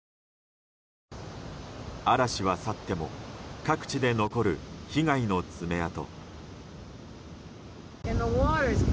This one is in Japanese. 嵐は去っても、各地で残る被害の爪痕。